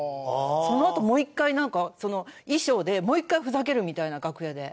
そのあともう１回なんかその衣装でもう１回ふざけるみたいな楽屋で。